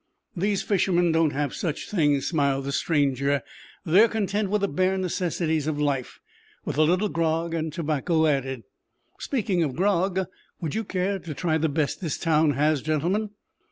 "These fishermen don't have such things," smiled the stranger. "They are content with the bare necessities of life, with a little grog and tobacco added. Speaking of grog, would you care to try the best this town has, gentlemen?"